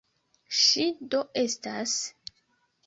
Ŝi do estas?